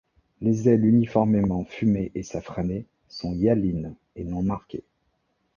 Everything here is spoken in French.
Les ailes uniformément fumées et safranées sont hyalines et non marquées.